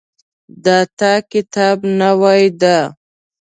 د تا کتاب نوی ده